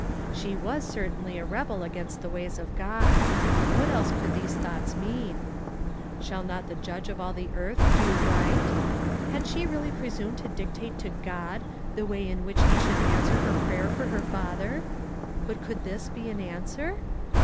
She was certainly a rebel against the ways of God. What else could these thoughts mean ?" Shall not the Judge of all the earth do right ?" Had she really presumed to dictate to Grod the way in which he should answer her prayer for her father? But could this be an answer?